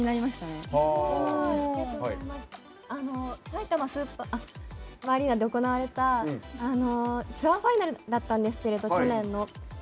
さいたまスーパーアリーナで行われたツアーファイナルだったんですけど、去年の。